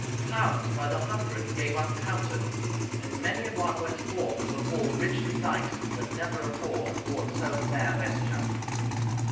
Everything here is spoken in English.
Pounds, by the hundred, he gave uncounted, and many an one went forth from the hall richly dight, that never afore had worn so fair vesture.